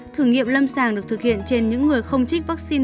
thử nghiệm lâm sàng được thực hiện trên những người không trích vaccine